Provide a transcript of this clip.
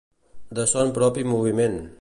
De son propi moviment.